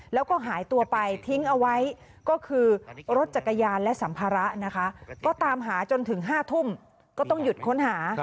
แล้วก็หายตัวไปทิ้งเอาไว้ก็คือรถจักรยานและสัมภาระนะคะก็ตามหาจนถึง๕ทุ่มก็ต้องหยุดค้นหา